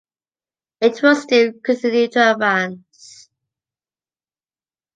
It will still continue to advance.